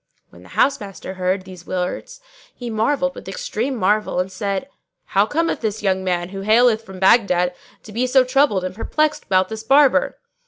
When the housemaster heard these words he marvelled with extreme marvel and said, "How cometh this young man, who haileth from Baghdad, to be so troubled and perplexed about this Barber?"